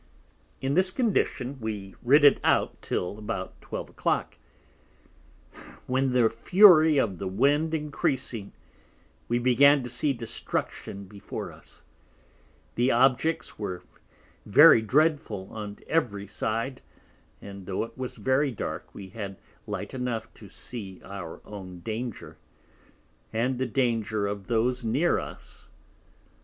In this condition we rid it out till about 12 a clock; when, the Fury of the Wind encreasing, we began to see Destruction before us: the Objects were very dreadful on every side; and tho' it was very dark, we had Light enough to see our own Danger, and the Danger of those near us.